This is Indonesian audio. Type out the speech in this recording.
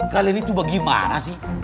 kalian itu bagaimana sih